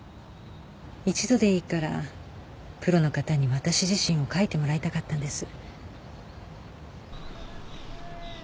一度でいいからプロの方に私自身を描いてもらいたかったんです。